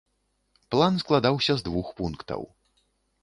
План складаўся з двух пунктаў.